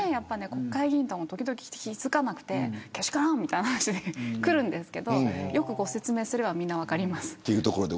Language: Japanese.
国会議員も時々、気づかなくてけしからんという話が来るんですがよく説明すればみんな分かります。